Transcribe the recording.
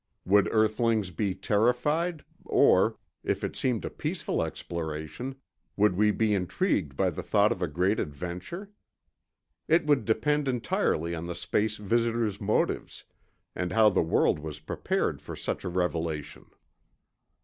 Would earthlings be terrified, or, if it seemed a peaceful exploration, would we bc intrigued by the thought of a great adventure? It would depend entirely on the space visitors' motives, and how the world was prepared for such a revelation.